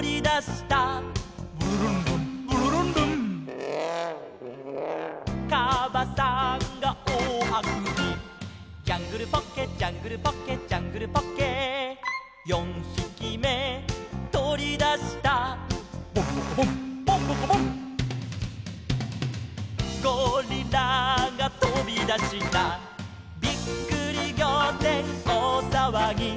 「ブルルンルンブルルンルン」「かばさんがおおあくび」「ジャングルポッケジャングルポッケ」「ジャングルポッケ」「四ひきめとり出した」「ボンボコボンボンボコボン」「ゴリラがとび出した」「びっくりぎょうてんおおさわぎ」